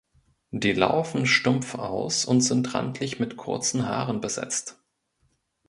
Die laufen stumpf aus und sind randlich mit kurzen Haaren besetzt.